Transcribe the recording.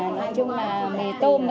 nói chung là mì tôm